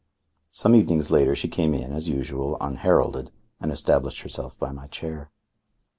Some evenings later she came in, as usual, unheralded, and established herself by my chair.